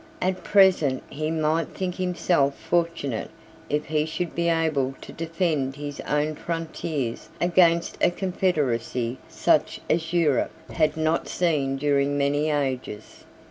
At present he might think himself fortunate if he should be able to defend his own frontiers against a confederacy such as Europe had not seen during many ages.